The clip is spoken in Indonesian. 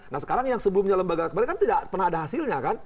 nah sekarang yang sebelumnya lembaga kemarin kan tidak pernah ada hasilnya kan